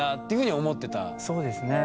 そうですね。